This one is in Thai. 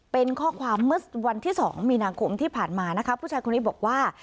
เป็นข้อความเมื่อวันที่๒มีนาคมที่ผ่านมานะคะผู้ชายคนนี้บอกว่า